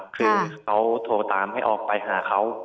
คือเขาโทรตามให้ออกไปหาเขา